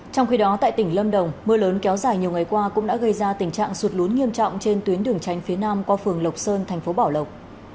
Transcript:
trong khi đó tại tỉnh lâm đồng mưa lớn kéo dài nhiều ngày qua cũng đã gây ra tình trạng sụt lún nghiêm trọng trên tuyến đường tranh phía nam qua phường lộc sơn thành phố bảo lộc